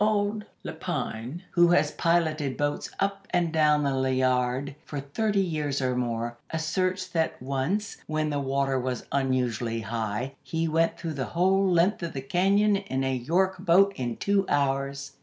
Old Lepine, who has piloted boats up and down the Liard for thirty years or more, asserts that once, when the water was unusually high, he went through the whole length of the cañon in a York boat in two hours.